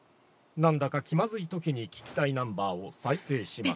なんだか気まずいときに聴きたいナンバーを再生します。